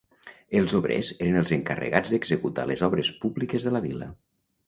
Els obrers eren els encarregats d'executar les obres públiques de la vila